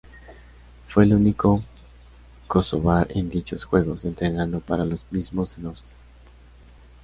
Fue el único kosovar en dichos juegos, entrenando para los mismos en Austria.